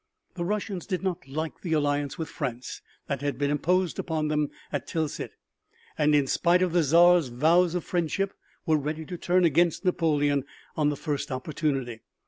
The Russians did not like the alliance with France that had been imposed upon them at Tilsit and in spite of the Czar's vows of friendship were ready to turn against Napoleon on the first opportunity.